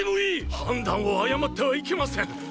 判断を誤ってはいけません王子！